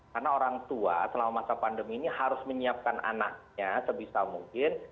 karena orang tua selama masa pandemi ini harus menyiapkan anaknya sebisa mungkin